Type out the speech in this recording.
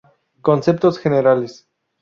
Conceptos generales